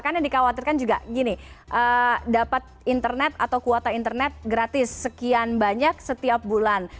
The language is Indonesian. karena dikhawatirkan juga gini dapat internet atau kuota internet gratis sekian banyak setiap bulan